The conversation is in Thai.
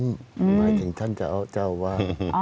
หมายถึงท่านจะเอาว่า